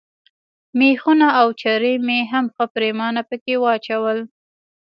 مېخونه او چرې مې هم ښه پرېمانه پکښې واچول.